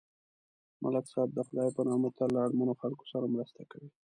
ملک صاحب د خدای په نامه تل له اړمنو خلکو سره مرسته کوي.